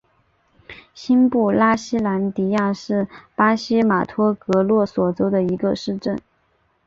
新布拉西兰迪亚是巴西马托格罗索州的一个市镇。